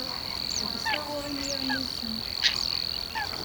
Yeḥbes taɣuri n yiɣmisen.